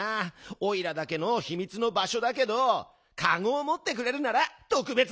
おいらだけのひみつのばしょだけどかごをもってくれるならとくべつにオーケーだぜ！